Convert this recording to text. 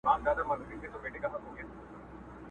هره خوا ګورم تیارې دي چي ښکارېږي،